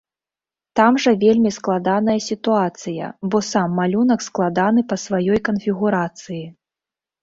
Там жа вельмі складаная сітуацыя, бо сам малюнак складаны па сваёй канфігурацыі.